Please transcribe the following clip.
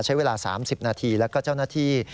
ใช้เวลา๓๐นาทีแล้วก็เจ้าหน้าที่